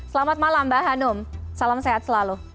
selamat malam mbak hanum salam sehat selalu